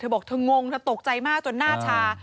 บอกเธองงเธอตกใจมากจนหน้าชา